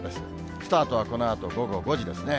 スタートはこのあと午後５時ですね。